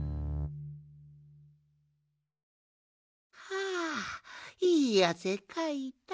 はあいいあせかいた。